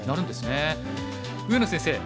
上野先生